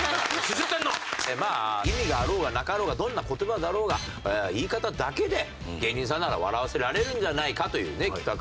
意味があろうがなかろうがどんな言葉だろうが言い方だけで芸人さんなら笑わせられるんじゃないかという企画で。